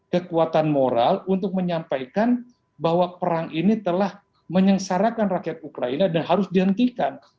kekuatan moral untuk menyampaikan bahwa perang ini telah menyengsarakan rakyat ukraina dan harus dihentikan